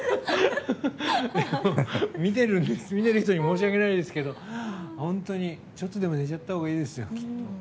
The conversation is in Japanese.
見てる人に申し訳ないですけど本当にちょっとでも寝ちゃったほうがいいですよ。